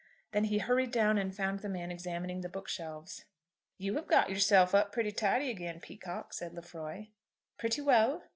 Then he hurried down and found the man examining the book shelves. "You have got yourself up pretty tidy again, Peacocke," said Lefroy. "Pretty well."